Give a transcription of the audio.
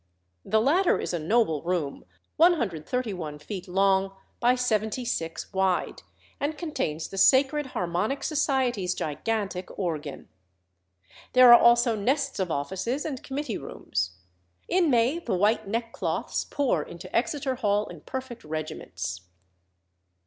The latter is a noble room, 131 feet long by 76 wide, and contains the Sacred Harmonic Society's gigantic organ. There are also nests of offices and committee rooms. In May the white neckcloths pour into Exeter Hall in perfect regiments.